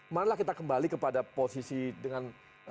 marilah kita kembali kepada posisi dengan